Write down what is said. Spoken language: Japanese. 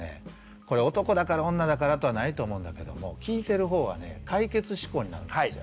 これ男だから女だからとはないと思うんだけども聴いてるほうはね解決志向になるんですよ。